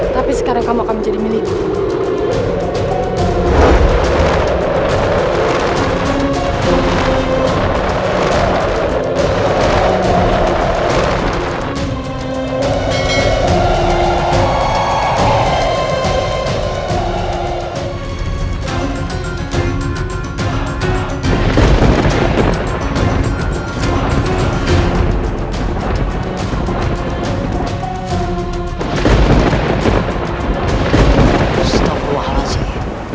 tapi sekarang kamu akan menjadi militer